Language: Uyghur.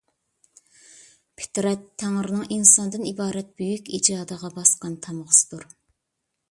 پىترەت تەڭرىنىڭ ئىنساندىن ئىبارەت بۈيۈك ئىجادىغا باسقان تامغىسىدۇر.